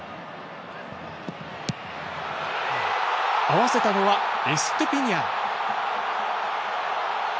合わせたのは、エストゥピニャン。